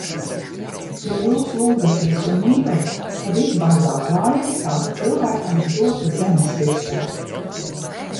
Ja jūs lūdzaties un mīlat, tad izbaudāt laimi, kāda cilvēkam ir dota zemes virsū.